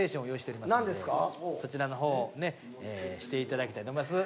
そちらの方をねしていただきたいと思います。